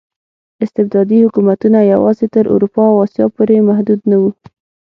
استبدادي حکومتونه یوازې تر اروپا او اسیا پورې محدود نه وو.